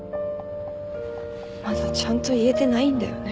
まだちゃんと言えてないんだよね。